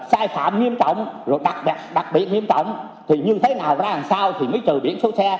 sai phạm nghiêm trọng rồi đặc biệt nghiêm trọng thì như thế nào ra làm sao thì mới trừ điểm số xe